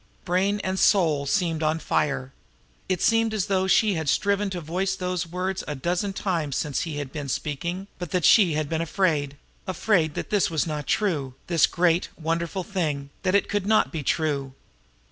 Brain and soul seemed on fire. It seemed as though she had striven to voice those words a dozen times since he had been speaking, but that she had been afraid afraid that this was not true, this great, wonderful thing, that it could not be true.